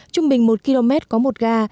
trung bình một km có một ga